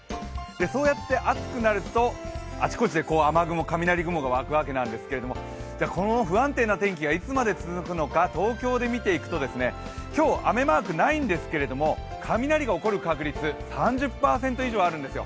そうやって暑くなると、あちこちで雨雲、雷雲が湧くですけれども、この不安定な天気がいつまで続くのか東京で見ていくと、今日、雨マークないんですけれども雷が起こる確率３０％以上あるんですよ。